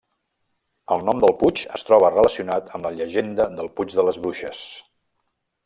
El nom del puig es troba relacionat amb la llegenda del puig de les Bruixes.